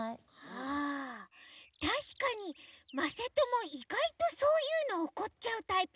ああたしかにまさともいがいとそういうのおこっちゃうタイプなのかも。